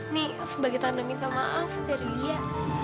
ini sebagai tanda minta maaf dari dia